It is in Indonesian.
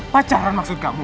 pacaran maksud kamu